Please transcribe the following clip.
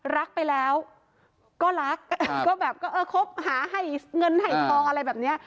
รักไปแล้วก็รักก็แบบก็เออคบหาให้เงินให้ทองอะไรแบบนี้